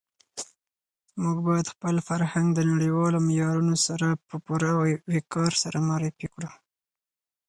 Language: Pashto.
موږ باید خپل فرهنګ د نړیوالو معیارونو سره په پوره وقار سره معرفي کړو.